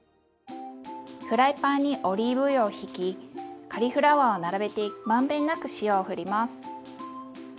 フライパンにオリーブ油をひきカリフラワーを並べて満遍なく塩をふります。